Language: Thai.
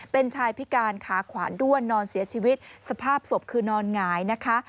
เป็นชายพิการขาขวานด้วนนอนเสียชีวิตสภาพศพคือนอนหงายนะคะ